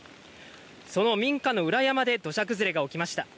その民家の裏山で土砂崩れが起きました。